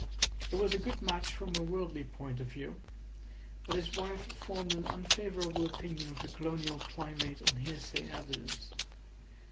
It was a good match from a worldly point of view, but his wife formed an unfavourable opinion of the colonial climate on hearsay evidence.